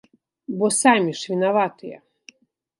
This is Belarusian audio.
Бо самі ж вінаватыя!